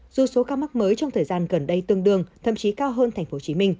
dù số ca mắc mới trong thời gian gần đây tương đương thậm chí cao hơn tp hcm